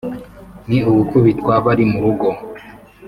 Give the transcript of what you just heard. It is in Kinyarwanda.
ni ugukubitwa bari mu rugo